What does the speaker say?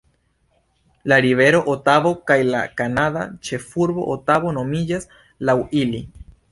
La Rivero Otavo kaj la kanada ĉefurbo Otavo nomiĝas laŭ ili.